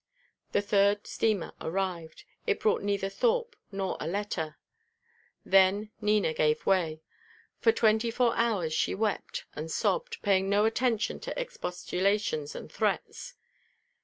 The third steamer arrived. It brought neither Thorpe nor a letter. Then Nina gave way. For twenty four hours she wept and sobbed, paying no attention to expostulations and threats.